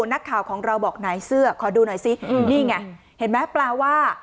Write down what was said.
นักข่าวของเราบอกไหนเสื้อขอดูหน่อยสินี่ไงเห็นไหมแปลว่า